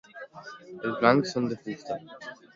Els bancs són de fusta.